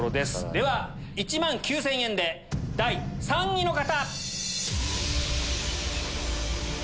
では１万９０００円で第３位の方！